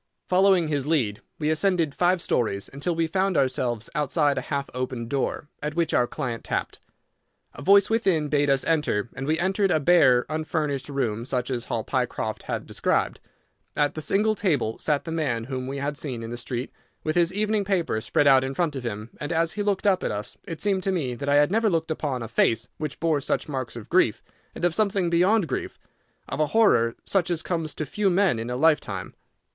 Following his lead, we ascended five stories, until we found ourselves outside a half opened door, at which our client tapped. A voice within bade us enter, and we entered a bare, unfurnished room such as Hall Pycroft had described. At the single table sat the man whom we had seen in the street, with his evening paper spread out in front of him, and as he looked up at us it seemed to me that I had never looked upon a face which bore such marks of grief, and of something beyond grief—of a horror such as comes to few men in a lifetime.